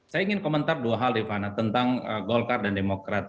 saya ingin komentar dua hal rivana tentang golkar dan demokrat